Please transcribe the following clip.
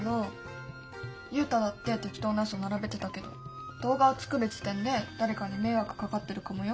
ユウタだって適当なうそ並べてたけど動画を作る時点で誰かに迷惑かかってるかもよ？